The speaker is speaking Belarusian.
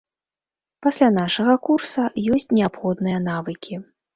Пасля нашага курса ёсць неабходныя навыкі.